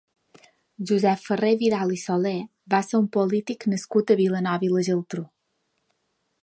Josep Ferrer-Vidal i Soler va ser un polític nascut a Vilanova i la Geltrú.